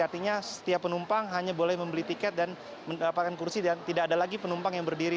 artinya setiap penumpang hanya boleh membeli tiket dan mendapatkan kursi dan tidak ada lagi penumpang yang berdiri